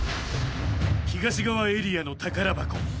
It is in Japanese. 東側エリアの宝箱